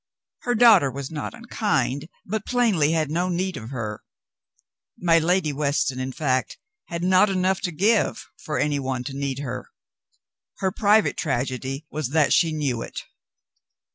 Her daughter was not unkind, but plainly had no need of her. My Lady Weston, in fact, had not enough to give for any one to need her. Her private tragedy was that she knew it.